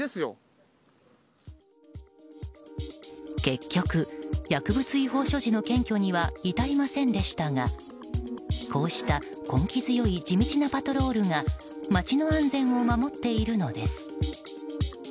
結局、薬物違法所持の検挙には至りませんでしたがこうした根気強い地道なパトロールが街の安全を守っているのです。